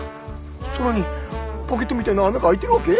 空にポケットみたいな穴が開いてるわけ？